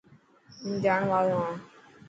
هون جاڻ واڙو هان.